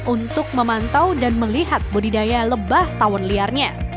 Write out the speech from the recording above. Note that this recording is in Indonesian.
untuk memantau dan melihat budidaya lebah tawon liarnya